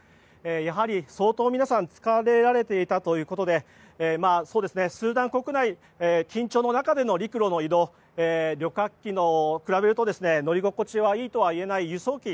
やはり、相当皆さん疲れていたということでスーダン国内緊張の中での陸路の移動旅客機と比べると乗り心地がいいとは言えない輸送機